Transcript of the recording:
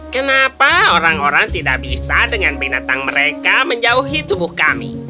kenapa orang orang tidak bisa dengan binatang mereka menjauhi tubuh kami